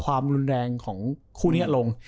ความรุนแรงของคู่นี้ลง